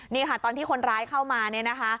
นี่ค่ะตอนที่คนร้ายเข้ามาเนี่ยนะคะ